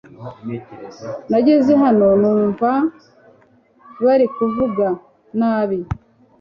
Nageze hano numva bari kuvuga nabi .